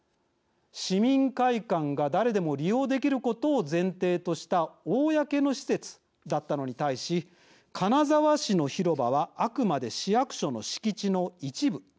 市民会館が誰でも利用できることを前提とした公の施設だったのに対し金沢市の広場はあくまで市役所の敷地の一部。